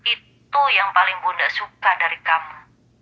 itu yang paling bunda suka dari kamu